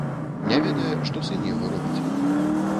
Не ведае, што сын яго робіць.